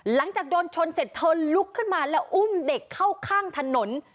หลังจากโดนชนเสร็จเธอลุกขึ้นมาแล้วอุ้มเด็กเข้าข้างถนน